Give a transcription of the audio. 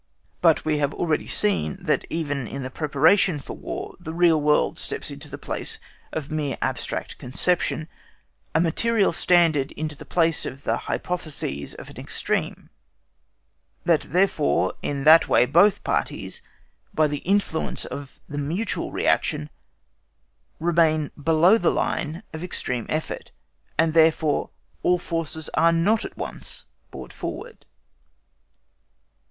But we have already seen that even in the preparation for War the real world steps into the place of mere abstract conception—a material standard into the place of the hypotheses of an extreme: that therefore in that way both parties, by the influence of the mutual reaction, remain below the line of extreme effort, and therefore all forces are not at once brought forward.